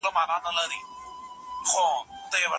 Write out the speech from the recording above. مارکس ويلي دي چي ټولنه بايد وروستي حد ته ورسېږي.